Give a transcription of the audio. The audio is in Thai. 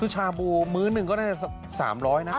ชาบูมื้อนึงก็ได้๓๐๐นะ